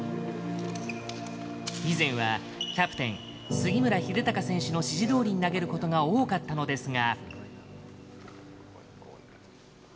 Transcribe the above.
以前は、キャプテン杉村英孝選手の指示通りに投げることが多かったのですが。